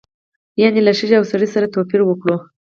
یعنې له ښځې او سړي سره توپیر وکړو.